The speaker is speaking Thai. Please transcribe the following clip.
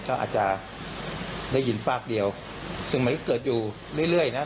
ก็อาจจะได้ยินฝากเดียวซึ่งมันก็เกิดอยู่เรื่อยนะ